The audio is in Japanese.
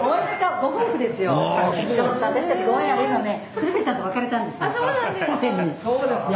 鶴瓶さんと別れたんですよ。